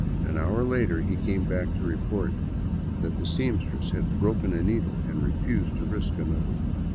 An hour later he came back to report that the seamstress had broken a needle and refused to risk another.